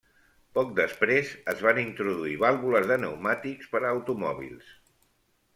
Poc després, es van introduir vàlvules de pneumàtics per a automòbils.